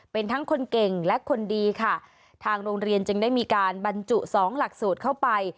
เป็นทั้งคนเก่งและคนดีค่ะทางโรงเรียนจึงได้มีการบรรจุสองหลักสูตรเข้าไป